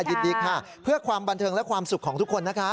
ยินดีค่ะเพื่อความบันเทิงและความสุขของทุกคนนะคะ